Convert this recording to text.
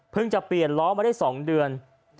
จะเปลี่ยนล้อมาได้๒เดือน